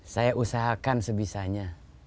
saya usahakan sebisanya